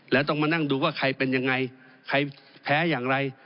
แล้วต้องมานั่งดูว่าใครเป็นยังไงใครแพ้อย่างไร